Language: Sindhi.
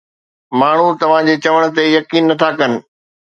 ماڻهو توهان جي چوڻ تي يقين نه ٿا ڪن.